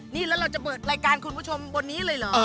นี่แล้วเราจะเปิดรายการคุณผู้ชมบนนี้เลยเหรอ